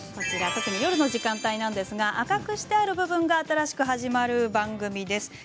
夜の時間帯なんですが赤くしてある部分が新しく始まる番組です。